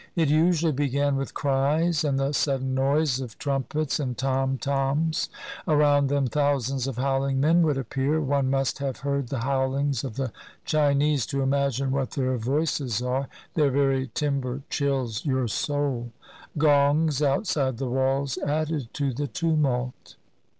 It usually began with cries and the sudden noise of trumpets and tom toms; around them thousands of howling men would appear, — one must have heard the bowlings of the Chinese to imagine what their voices are; their very timbre chills your soul. Gongs outside the walls added to the tumult.